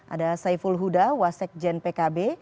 ada saiful huda wasek jen pkb